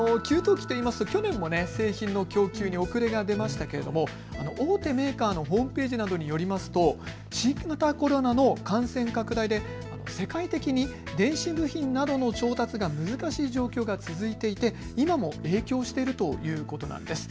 去年も製品の供給に遅れが出ましたが大手メーカーのホームページなどによると新型コロナの感染拡大で世界的に電子部品などの調達が難しい状況が続いていて今も影響しているということなんです。